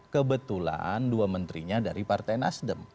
kebetulan dua menterinya dari partai nasdem